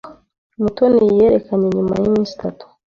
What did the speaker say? Mutoni yerekanye nyuma yiminsi itatu.